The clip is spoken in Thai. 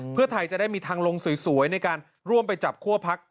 เพื่อไทยจะได้มีทางลงสวยในการร่วมไปจับคั่วพัก